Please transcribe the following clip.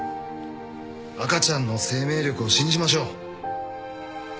赤ちゃんの生命力を信じましょう。